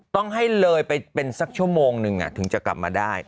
ต้องให้เลยไปเป็นสักชั่วโมงนึงถึงจะกลับมาได้